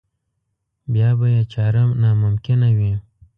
بیا به یې چاره ناممکنه وي.